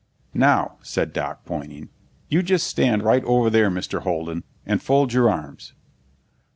"Now," said Doc, pointing, "you just stand right over there, Mr. Holden, and fold your arms."